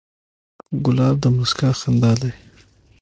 ګلاب د موسکا خندا لري.